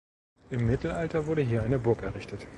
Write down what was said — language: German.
Im Mittelalter wurde hier eine Burg errichtet.